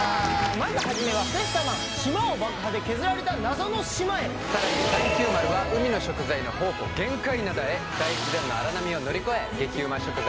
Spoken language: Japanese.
まず初めはセシタマン島を爆破で削られた謎の島へさらにサンキュー丸は海の食材の宝庫玄界灘へ大自然の荒波を乗り越え激うま食材